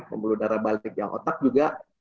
pembuluh darah balik yang otak juga